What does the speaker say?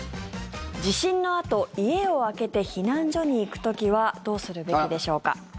地震のあと、家を空けて避難所に行く時はどうするべきでしょうか？